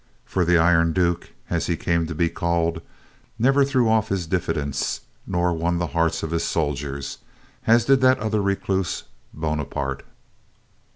For the Iron Duke, as he came to be called, never threw off his diffidence nor won the hearts of his soldiers, as did that other recluse, Bonaparte.